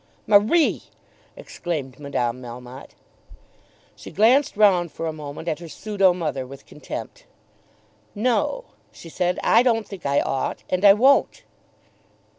"Marie!" exclaimed Madame Melmotte. She glanced round for a moment at her pseudo mother with contempt. "No;" she said. "I don't think I ought, and I won't."